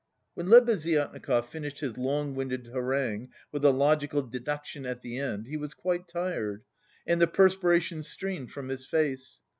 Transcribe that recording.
When Lebeziatnikov finished his long winded harangue with the logical deduction at the end, he was quite tired, and the perspiration streamed from his face.